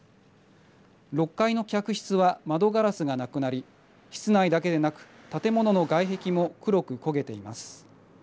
６階の客室は窓ガラスがなくなり室内だけでなく建物の外壁も黒く焦げています。